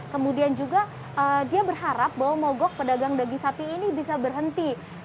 kemudian juga dia berharap bahwa mogok pedagang daging sapi ini bisa berhenti